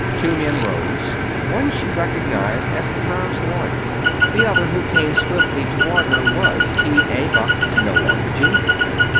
Two men rose. One she recognized as the firm's lawyer. The other, who came swiftly toward her, was T. A. Buck no longer junior.